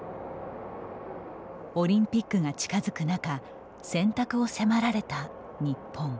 オリンピックが近づく中選択を迫られた日本。